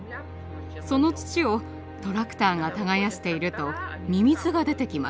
その土をトラクターが耕しているとミミズが出てきます。